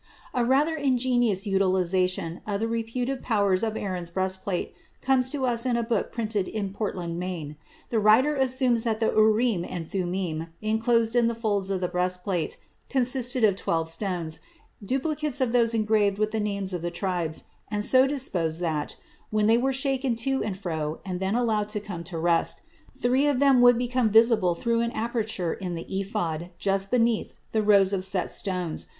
A rather ingenious utilization of the reputed powers of Aaron's breastplate comes to us in a book printed in Portland, Maine. The writer assumes that the Urim and Thummim enclosed in the folds of the breastplate consisted of twelve stones, duplicates of those engraved with the names of the tribes, and so disposed that, when they were shaken to and fro and then allowed to come to rest, three of them would become visible through an aperture in the ephod just beneath the rows of set stones.